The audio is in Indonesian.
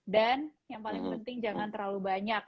dan yang paling penting jangan terlalu banyak